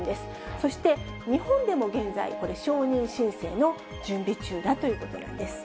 そして、日本でも現在、これ承認申請の準備中だということなんです。